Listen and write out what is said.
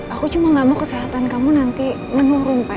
aku cuma gak mau kesehatan kamu nanti menurun pak